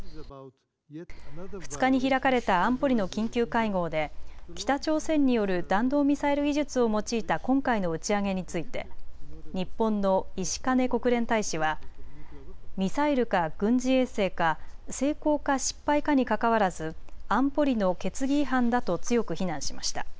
２日に開かれた安保理の緊急会合で北朝鮮による弾道ミサイル技術を用いた今回の打ち上げについて日本の石兼国連大使はミサイルか軍事衛星か、成功か失敗かにかかわらず安保理の決議違反だと強く非難しました。